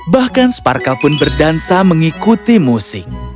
bahkan sparkle pun berdansa mengikuti musik